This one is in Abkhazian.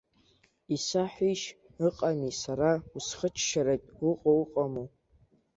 Исаҳәишь, ыҟами, сара усхыччартә уҟоу уҟаму?!